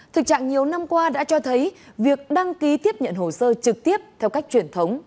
thực trạng nhiều năm qua đã cho thấy việc đăng ký tiếp nhận hồ sơ trực tiếp theo cách truyền thống